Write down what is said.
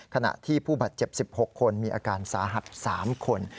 ขณะที่ผู้บาดเจ็บ๑๖คนมีอาการสาหัส๓คน